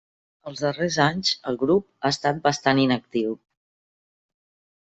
Els darrers anys el grup ha estat bastant inactiu.